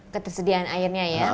ketersediaan airnya ya